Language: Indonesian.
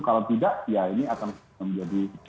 kalau tidak ya ini akan menjadi